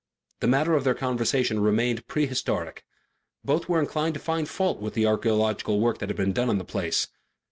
The matter of their conversation remained prehistoric. Both were inclined to find fault with the archaeological work that had been done on the place.